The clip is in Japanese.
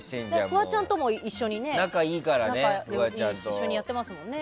フワちゃんとも仲良くて一緒にやってますもんね。